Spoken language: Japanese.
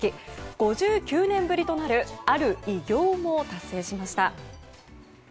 ５９年ぶりとなるある偉業も達成しました。